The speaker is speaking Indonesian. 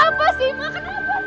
ini ada apa sih kenapa